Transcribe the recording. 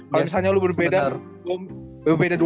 kalo misalnya lu berbeda